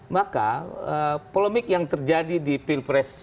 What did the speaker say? maka polemik yang terjadi di pilpres